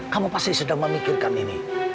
kamu pasti sedang memikirkan ini